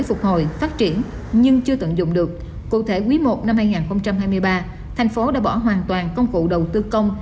phục hồi phát triển nhưng chưa tận dụng được cụ thể quý i năm hai nghìn hai mươi ba thành phố đã bỏ hoàn toàn công cụ đầu tư công